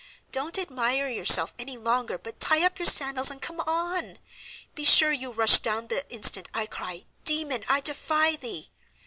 "Don't admire yourself any longer, but tie up your sandals and come on. Be sure you rush down the instant I cry, 'Demon, I defy thee!